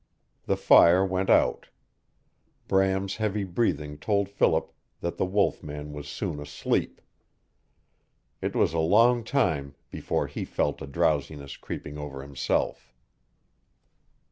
The fire went out. Bram's heavy breathing told Philip that the wolf man was soon asleep. It was a long time before he felt a drowsiness creeping over himself.